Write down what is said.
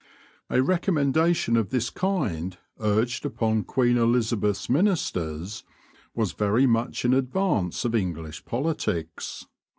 A recommendation of this kind urged upon Queen Elizabeth's ministers was very much in advance of English politics.